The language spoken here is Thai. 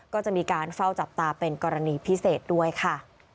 ก็จะมีการเฝ้าจับตาเป็นกรณีพิเศษด้วยค่ะ